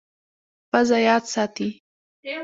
پزه یاد ساتي.